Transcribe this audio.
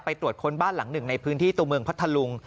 ตรวจค้นบ้านหลังหนึ่งในพื้นที่ตัวเมืองพัทธลุง